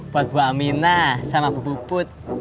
buat mbak aminah sama bu buput